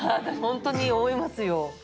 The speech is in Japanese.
本当に思いますよ。